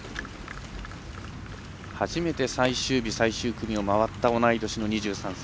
初めて最終日、最終組を回った同い年の２３歳。